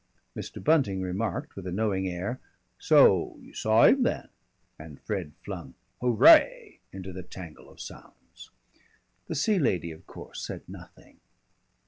Mr. Bunting remarked with a knowing air, "So you saw him then?" and Fred flung "Hooray!" into the tangle of sounds. The Sea Lady of course said nothing.